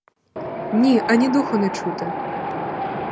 Ні, ані духу не чути!